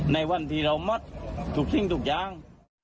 ในวันที่เรามัดทุกสิ่งทุกอย่าง